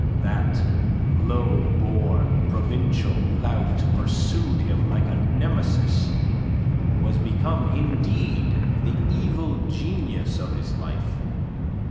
That low born provincial lout pursued him like a Nemesis, was become indeed the evil genius of his life.